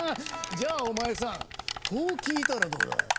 じゃお前さんこう聞いたらどうだ？